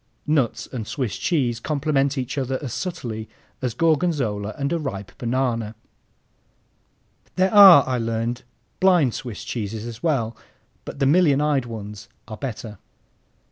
(Nuts and Swiss cheese complement each other as subtly as Gorgonzola and a ripe banana.) There are, I learned, "blind" Swiss cheeses as well, but the million eyed ones are better.